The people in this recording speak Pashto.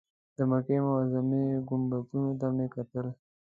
د مکې معظمې ګنبدونو ته مې کتل.